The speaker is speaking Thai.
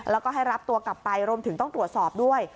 แล้วก็ให้รับตัวกลับไปรวมถึงต้องตรวจสอบด้วย